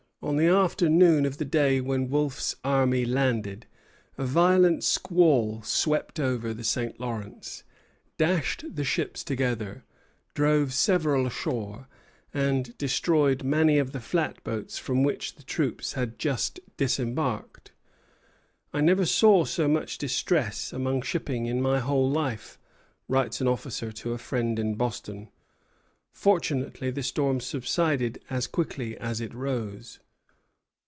On the afternoon of the day when Wolfe's army landed, a violent squall swept over the St. Lawrence, dashed the ships together, drove several ashore, and destroyed many of the flat boats from which the troops had just disembarked. "I never saw so much distress among shipping in my whole life," writes an officer to a friend in Boston. Fortunately the storm subsided as quickly as it rose.